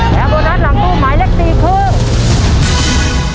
และโบนัสหลังตู้หมายเลข๔คือ